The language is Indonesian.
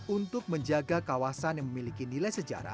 untuk menjaga kawasan yang memiliki nilai sejarah